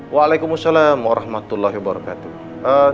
waalaikumsalam warahmatullahi wabarakatuh